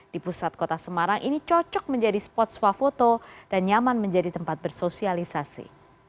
di pusat kota semarang ini cocok menjadi spot swafoto dan nyaman menjadi tempat bersosialisasi